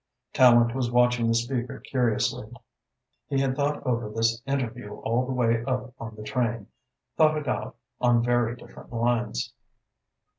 Tallente was watching the speaker curiously. He had thought over this interview all the way up on the train, thought it out on very different lines.